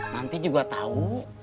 nanti juga tahu